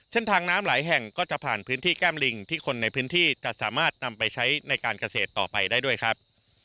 เส้นทางน้ำหลายแห่งก็จะผ่านพื้นที่แก้มลิงที่คนในพื้นที่จะสามารถนำไปใช้ในการเกษตรต่อไปได้ด้วยครับ